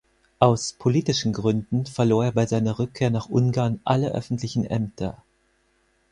Aus politischen Gründen verlor er bei seiner Rückkehr nach Ungarn alle öffentlichen Ämter.